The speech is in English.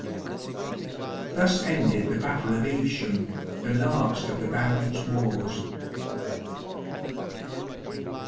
Thus ended the Battle of Evesham, the last of the Barons* wars.